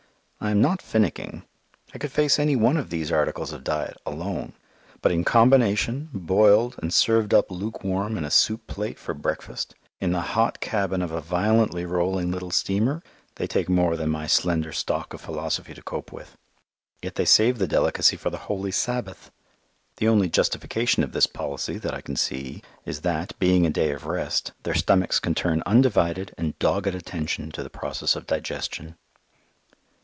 I am not finicking. I could face any one of these articles of diet alone; but in combination, boiled, and served up lukewarm in a soup plate for breakfast, in the hot cabin of a violently rolling little steamer, they take more than my slender stock of philosophy to cope with. Yet they save the delicacy for the Holy Sabbath. The only justification of this policy that I can see is that, being a day of rest, their stomachs can turn undivided and dogged attention to the process of digestion.